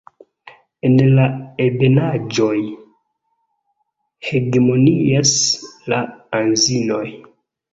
En la ebenaĵoj hegemonias la anzinoj.